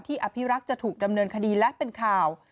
อภิรักษ์จะถูกดำเนินคดีและเป็นข่าว